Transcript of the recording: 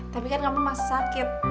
tapi kan kamu masih sakit